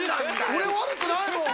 俺悪くないもん。